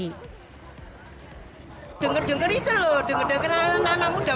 mereka juga berpengalaman untuk menikah di jalanan